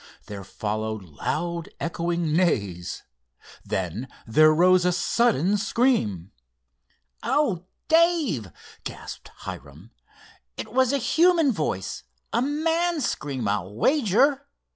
There followed loud echoing neighs. Then there rose a sudden scream. "Oh, Dave!" gasped Hiram, "it was a human voice! A man's scream, I'll wager!